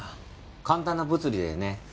簡単な物理だよね。